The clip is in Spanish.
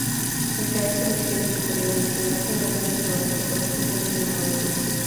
El carácter izquierdo superior en esta imagen no tiene equivalente conocido en chino moderno.